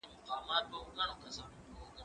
زه چپنه نه پاکوم،